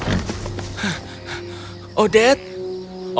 mereka mencapai danau dengan terengah engah